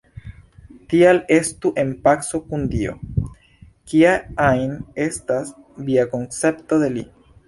Tial estu en paco kun Dio, kia ajn estas via koncepto de Li.